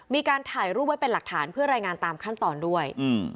มีการถ่ายรูปไว้เป็นหลักฐานเพื่อรายงานตามขั้นตอนด้วย